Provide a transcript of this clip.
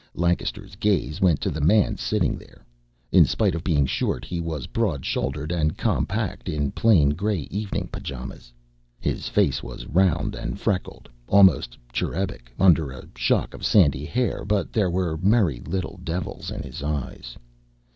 Lancaster's gaze went to the man sitting there. In spite of being short, he was broad shouldered and compact in plain gray evening pajamas. His face was round and freckled, almost cherubic, under a shock of sandy hair, but there were merry little devils in his eyes.